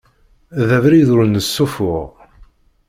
D abrid ur nessufuɣ.